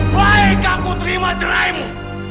baik aku terima cerai kamu